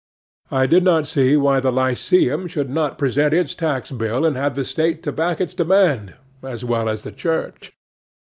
I did not see why the lyceum should not present its tax bill, and have the State to back its demand, as well as the church.